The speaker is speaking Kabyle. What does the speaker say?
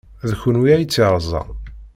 D kenwi ay tt-yerẓan?